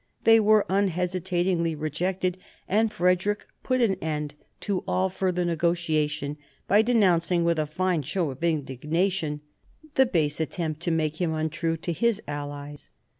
They were unhesitatingly rejected, and Frederick put an end to all further negotiation by denouncing with a fine show of indignation "the base attempt to make him untrue to his allies."